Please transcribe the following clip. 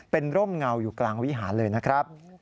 เป็นร่มเงาอยู่กลางวิหารเลยนะครับ